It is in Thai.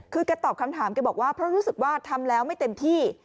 คือแกตอบคำถามแกบอกว่าเพราะรู้สึกว่าทำแล้วไม่เต็มที่